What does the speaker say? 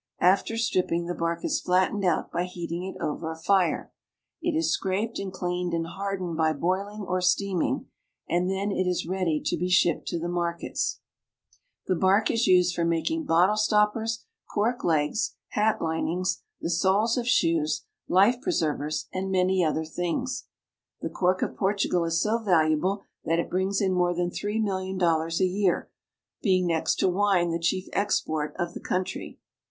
After stripping, the bark is flattened out by heating it over a fire. It is scraped and cleaned and hardened by boiling or steaming, and then it is ready to be shipped to the markets. the strips are pried off. The bark is used for making bottle stoppers, cork legs, hat linings, the soles of shoes, life preservers, and many other things. The cork of Portugal is so valuable that it brings in more than three million dollars a year, being next to wine the chief export of the country.